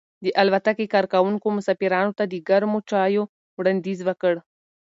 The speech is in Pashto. د الوتکې کارکونکو مسافرانو ته د ګرمو چایو وړاندیز وکړ.